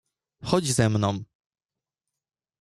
"Chodź ze mną!"